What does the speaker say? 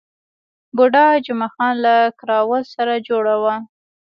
بوډا جمعه خان له کراول سره جوړه وه.